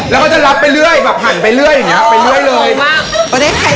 แล้วก็จะลับไปเรื่อยหั่นไปเรื่อย